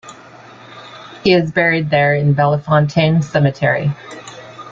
He is buried there in Bellefontaine Cemetery.